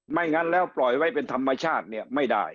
งั้นแล้วปล่อยไว้เป็นธรรมชาติเนี่ยไม่ได้